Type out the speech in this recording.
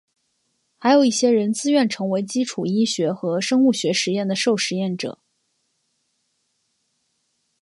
还有一些人自愿成为基础医学和生物学实验的受实验者。